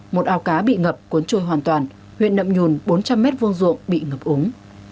một ảo cá bị ngập cuốn trôi hoàn toàn huyện nậm nhùn bốn trăm linh m vuông ruộng bị ngập ống